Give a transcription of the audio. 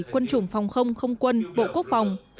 quân chủng phòng không không quân bộ quốc phòng